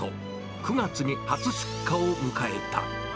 ９月に初出荷を迎えた。